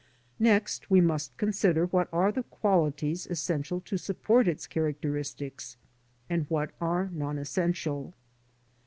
Next we must consider what are the qualities essential to support its characteristics, and what are non essential.